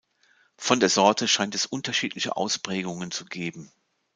Von der Sorte scheint es unterschiedliche Ausprägungen zu geben.